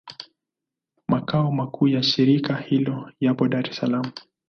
Makao makuu ya shirika hilo yapo Dar es Salaam.